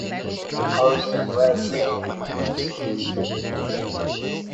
Orson Welles said it was his favorite film.